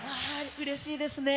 うれしいですね。